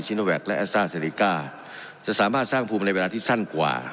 ชีโนแวคและอัสตาร์จีสเซอริกาจะสามารถสร้างพฤมศ์ในเวลาที่สั้นกว่า